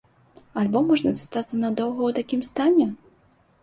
Альбо можа застацца надоўга ў такім стане?